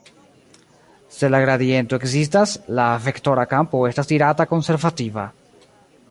Se la gradiento ekzistas, la vektora kampo estas dirata konservativa.